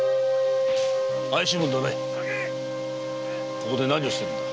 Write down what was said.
ここで何をしてるんだ？